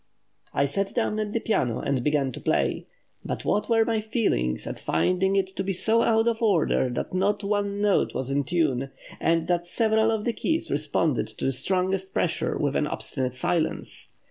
"I sat down at the piano, and began to play; but what were my feelings at finding it so out of order that not one note was in tune, and that several of the keys responded to the strongest pressure with an obstinate silence?